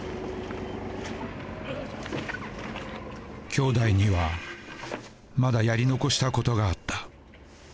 兄弟にはまだやり残したことがあった。